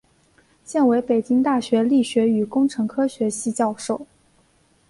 现为北京大学力学与工程科学系教授。